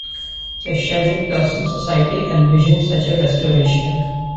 The Cherry Blossom Society envisioned such a restoration.